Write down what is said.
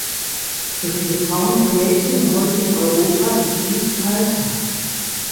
Für viele Frauen und Mädchen im heutigen Europa ist dies Alltag.